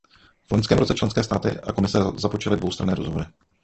V loňském roce členské státy a Komise započaly dvoustranné rozhovory.